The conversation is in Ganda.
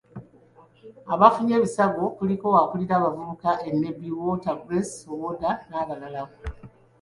Abafunye ebisago kuliko; akulira abavubuka e Nebbi; Walter, Grace Owonda n'abalala.